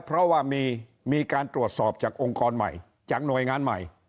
เพราะว่ามีการตรวจสอบจากองค์กรใหม่จากหน่วยงานใหม่